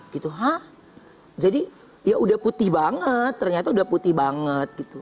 gitu hah jadi ya udah putih banget ternyata udah putih banget gitu